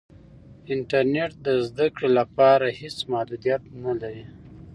انټرنیټ د زده کړې لپاره هېڅ محدودیت نه لري.